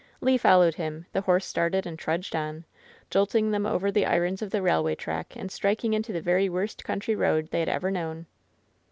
Le followed him. The horse started and trudged on, jolting them over the irons on the railway track and striking into the very worst country road they had ever known.